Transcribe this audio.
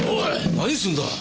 何すんだ。